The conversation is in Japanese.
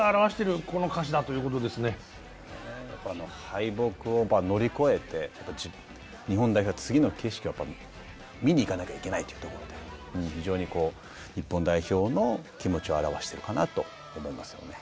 敗北をまあ乗り越えて日本代表は次の景色を見に行かなきゃいけないというところで非常に日本代表の気持ちを表してるかなと思いますよね。